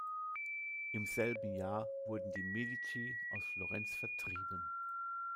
Im selben Jahr wurden die Medici aus Florenz vertrieben.